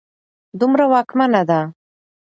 دومره واکمنه ده